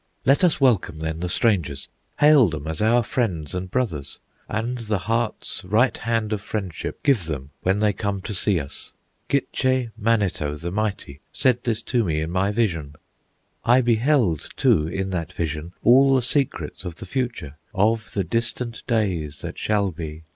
"Let us welcome, then, the strangers, Hail them as our friends and brothers, And the heart's right hand of friendship Give them when they come to see us. Gitche Manito, the Mighty, Said this to me in my vision. "I beheld, too, in that vision All the secrets of the future, Of the distant days that shall be.